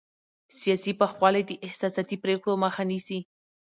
سیاسي پوخوالی د احساساتي پرېکړو مخه نیسي